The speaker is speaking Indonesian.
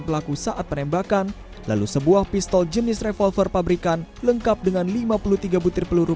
pelaku saat penembakan lalu sebuah pistol jenis revolver pabrikan lengkap dengan lima puluh tiga butir peluru